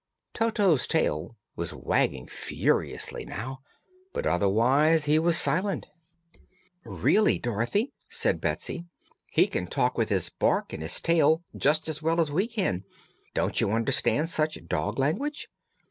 Toto's tail was wagging furiously now, but otherwise he was silent. "Really, Dorothy," said Betsy, "he can talk with his bark and his tail just as well as we can. Don't you understand such dog language?"